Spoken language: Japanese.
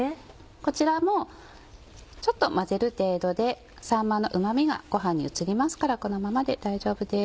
こちらもちょっと混ぜる程度でさんまのうま味がごはんに移りますからこのままで大丈夫です。